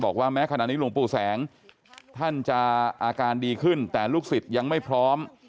บอกว่าแม้ขณะนี้หลวงปู่แสงท่านจะอาการดีขึ้นแต่ลูกศิษย์ยังไม่พร้อม